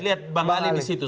lihat bang ali di situ